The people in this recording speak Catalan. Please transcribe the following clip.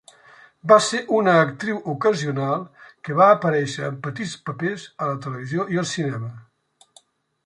Va ser una actriu ocasional que va aparèixer en petits papers a la televisió i el cinema.